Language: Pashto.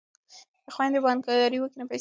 که خویندې بانکدارې وي نو پیسې به نه ورکیږي.